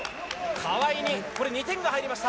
川井に２点が入りました。